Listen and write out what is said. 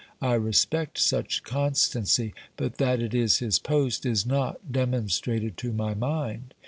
I respect such constancy, but that it is his post is not demon strated to my mind.